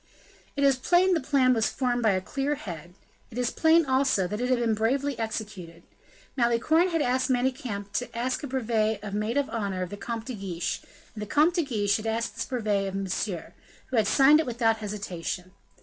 It is plain the plan was formed by a clear head; it is plain, also, that it had been bravely executed. Malicorne had asked Manicamp to ask a brevet of maid of honor of the Comte de Guiche; and the Comte de Guiche had asked this brevet of Monsieur, who had signed it without hesitation.